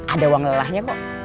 ada uang lelahnya kok